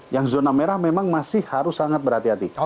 yang zona merah memang masih harus sangat berhati hati